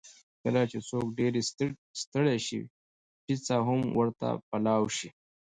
کله چې څوک ډېر ستړی شي، پېڅه هم ورته پلاو شي.